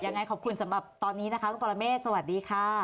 ยังไงขอบคุณสำหรับตอนนี้นะคะคุณปรเมฆสวัสดีค่ะ